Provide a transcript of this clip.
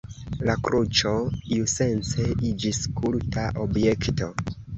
La kruĉo iusence iĝis kulta objekto.